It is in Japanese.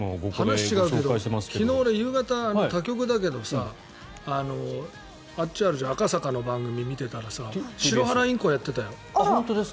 話違うけど、昨日夕方他局だけど赤坂の番組を見ていたらシロハラインコ、やってたよ。